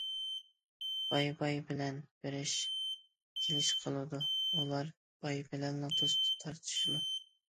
باي باي بىلەن بېرىش- كېلىش قىلىدۇ، ئۇلار باي بىلەنلا دوست تارتىشىدۇ.